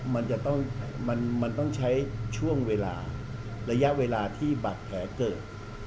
มันต้องใช้ช่วงเวลาระยะเวลาที่บาดแผลเกิด